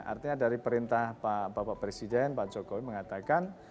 artinya dari perintah bapak presiden pak jokowi mengatakan